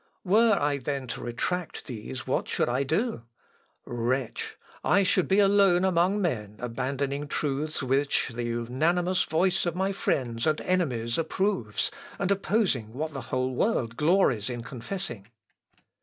Were I then to retract these what should I do?... Wretch! I should be alone among men abandoning truths which the unanimous voice of my friends and enemies approves, and opposing what the whole world glories in confessing.